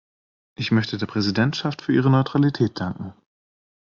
Ich möchte der Präsidentschaft für ihre Neutralität danken.